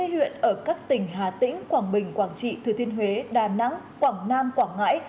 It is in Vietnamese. hai mươi huyện ở các tỉnh hà tĩnh quảng bình quảng trị thừa thiên huế đà nẵng quảng nam quảng ngãi